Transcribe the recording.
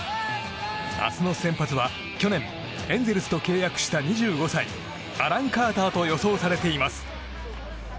明日の先発は去年エンゼルスと契約した２５歳、アラン・カーターと予想されています。